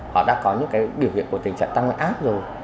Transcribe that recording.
họ đã có những cái biểu hiện của tình trạng tăng huyết áp rồi